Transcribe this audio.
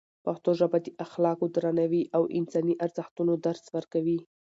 پښتو ژبه د اخلاقو، درناوي او انساني ارزښتونو درس ورکوي.